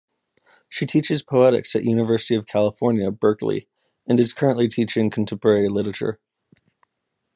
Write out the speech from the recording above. She teaches poetics at University of California, Berkeley, and is currently teaching contemporary literature.